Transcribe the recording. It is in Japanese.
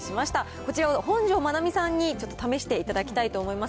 こちらを本上まなみさんにちょっと試していただきたいと思います。